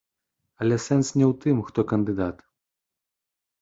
Але сэнс не ў тым, хто кандыдат.